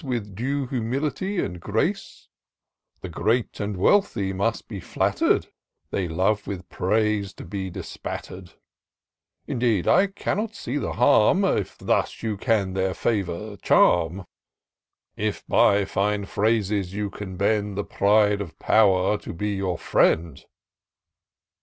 With due humility and grace ? The great and wealthy must be flatter'd ; They love with praise to be bespatter'd : Indeed, I cannot see the harm^ If thus you can their favour charm ; If by fine phrases you can bend The pride of power to be your friend."